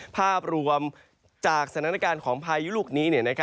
ภาพรวมจากสถานการณ์ของพายุลูกนี้